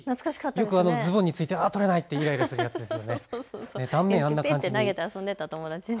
よくズボンについていらいらするやつですよね。